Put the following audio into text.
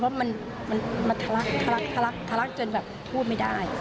เพราะมันทะลักจนแบบพูดไม่ได้